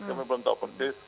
kami belum tahu persis